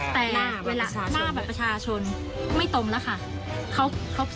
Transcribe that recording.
แต่เวลาหน้าบัตรประชาชนไม่ตรงแล้วค่ะ